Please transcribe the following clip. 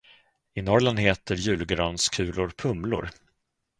I Norrland heter julgranskulor pumlor.